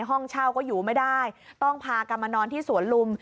ห้องเช่าก็อยู่ไม่ได้ต้องพากันมานอนที่สวนลุม